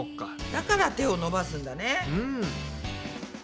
だから手を伸ばすんだね。